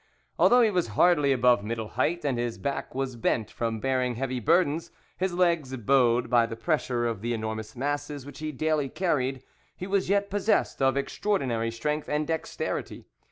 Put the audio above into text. Although he was hardly above middle height, and his back was bent from bearing heavy burdens, his legs bowed by the pressure of the enormous masses which he daily carried, he was yet possessed of extraordinary strength and dexterity.